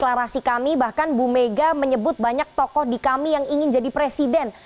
deklarasi kami bahkan bu mega menyebut banyak tokoh di kami yang ingin jadi presiden